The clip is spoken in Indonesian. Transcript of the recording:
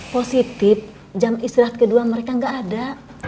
positif jam istirahat kedua mereka nggak ada